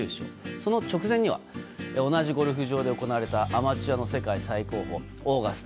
その直前には同じゴルフ場で行われたアマチュアの世界最高峰オーガスタ